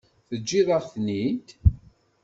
Teǧǧiḍ-aɣ-tent-id?